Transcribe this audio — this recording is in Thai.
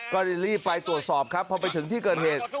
พี่ไปตรวจสอบครับเพราะไปถึงที่เกิดเหตุ